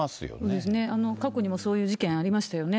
そうですね、過去にもそういう事件ありましたよね。